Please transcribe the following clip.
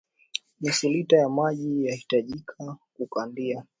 nusu lita ya maji yatahitajika kukandia